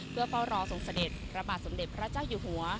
เพื่อเฝ้ารอส่งเสด็จพระบาทสมเด็จพระเจ้าอยู่หัว